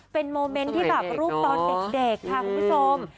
เป็นโมเมนต์ที่แบบรูปตอนเด็กค่ะคุณผู้ชม